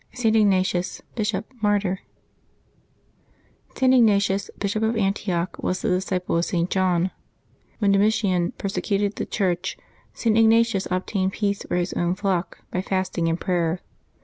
ST. IGNATIUS, Bishop, Martyr. [T. Ignatius, Bishop of Antioch, was the disciple of St. John. When Domitian persecuted the Church, St. Ignatius obtained peace for his own flock by fasting and prayer.